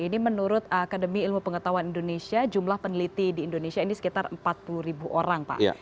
ini menurut akademi ilmu pengetahuan indonesia jumlah peneliti di indonesia ini sekitar empat puluh ribu orang pak